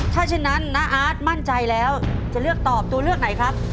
ถ้าฉะนั้นน้าอาร์ตมั่นใจแล้วจะเลือกตอบตัวเลือกไหนครับ